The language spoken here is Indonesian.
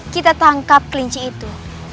kita tangkap kelinci itu